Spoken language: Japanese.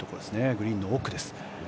グリーンの奥です。